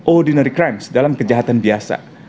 ordinary crimes dalam kejahatan biasa